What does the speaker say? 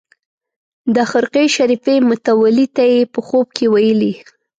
د خرقې شریفې متولي ته یې په خوب کې ویلي.